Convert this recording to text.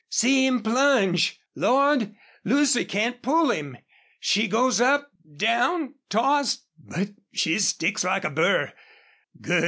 See him plunge! Lord! Lucy can't pull him! She goes up down tossed but she sticks like a burr.